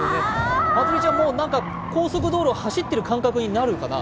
まつりちゃん、高速道路を走ってる感覚になるのかな？